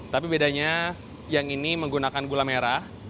tapi bedanya yang ini menggunakan gula merah